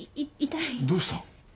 どうした？